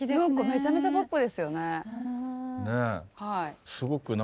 めちゃめちゃポップですよね。